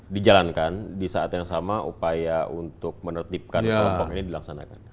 dijalankan di saat yang sama upaya untuk menertibkan kelompok ini dilaksanakan